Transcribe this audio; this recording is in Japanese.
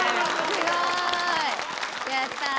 すごい！やった。